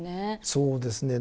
そうですね。